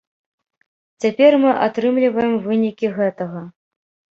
Цяпер мы атрымліваем вынікі гэтага.